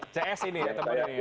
cs ini ya teman teman